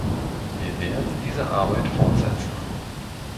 Wir werden diese Arbeit fortsetzen.